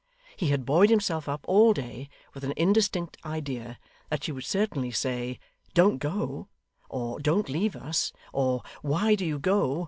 He had buoyed himself up all day with an indistinct idea that she would certainly say 'Don't go,' or 'Don't leave us,' or 'Why do you go?